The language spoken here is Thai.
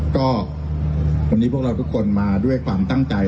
ก็วันนี้พวกเราทุกคนมาด้วยความตั้งใจ